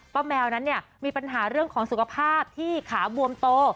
เป้าแมวนั้นมีปัญหาเรื่องของสุขภาพที่ขาบวมโต